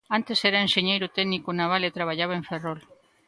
Antes era enxeñeiro técnico naval e traballaba en Ferrol.